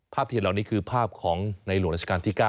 เทียนเหล่านี้คือภาพของในหลวงราชการที่๙